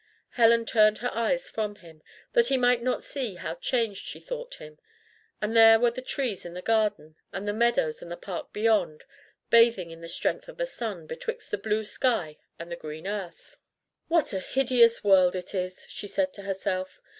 Helen turned her eyes from him, that he might not see how changed she thought him, and there were the trees in the garden and the meadows and the park beyond, bathing in the strength of the sun, betwixt the blue sky and the green earth! "What a hideous world it is!" she said to herself.